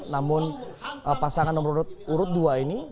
namun pasangan nomor urut dua ini